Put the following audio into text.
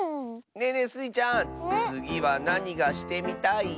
ねえねえスイちゃんつぎはなにがしてみたい？